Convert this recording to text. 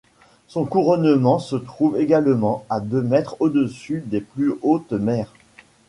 Son couronnement se trouve également à deux mètres au-dessus des plus hautes mers.